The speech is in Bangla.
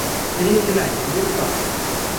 Free fly, lift of!